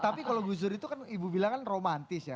tapi kalau gus dur itu kan ibu bilang kan romantis ya